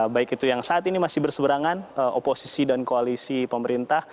baik itu yang saat ini masih berseberangan oposisi dan koalisi pemerintah